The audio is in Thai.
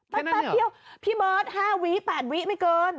แค่นั้นเหรอเพียงพี่เบิร์ท๕๘วินาทีไม่เกิน